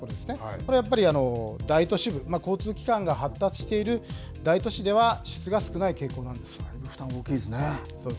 これはやっぱり、大都市部、交通機関が発達している大都市では、負担、大きいですね。